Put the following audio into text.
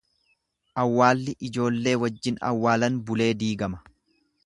Awwaalli ijoollee wajjin awwaalan bulee diigama.